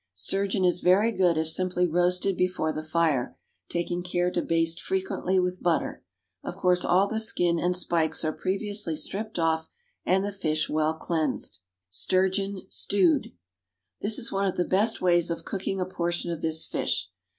Sturgeon is very good if simply roasted before the fire, taking care to baste frequently with butter. Of course all the skin and spikes are previously stripped off, and the fish well cleansed. =Sturgeon, Stewed.= This is one of the best ways of cooking a portion of this fish.